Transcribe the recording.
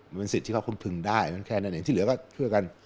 มันเป็นสิทธิ์ที่เขาคุณพึงได้มันแค่นั้นเองที่เหลือก็ช่วยกัน